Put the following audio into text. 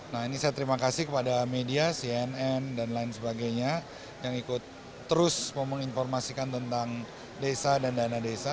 nah ini saya terima kasih kepada media cnn dan lain sebagainya yang ikut terus menginformasikan tentang desa dan dana desa